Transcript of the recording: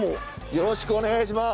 よろしくお願いします！